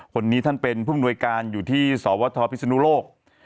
คนนี้ท่านเป็นผู้มนวยการอยู่ที่สวทพิศนุโลก